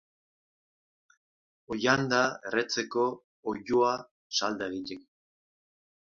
Oilanda, erretzeko; oiloa, salda egiteko.